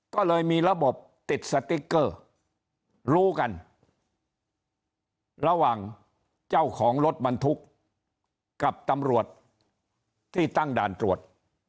ก็เลยมีระบบติดสติ๊กเกอร์รู้กันระหว่างเจ้าของรถบรรทุกกับตำรวจที่ตั้งด่านตรวจ